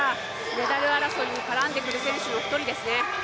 メダル争いに絡んでくる選手の一人ですね。